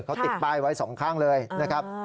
เขาติดป้ายไว้สองข้างเลยนะครับ